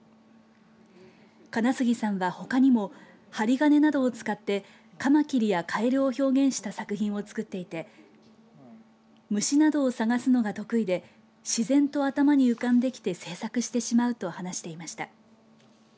金杉さんはほかにも針金などを使ってかまきりや、かえるを表現した作品を作っていて虫などを探すのが得意で自然と頭に浮かんできて制作してしまうと話していました。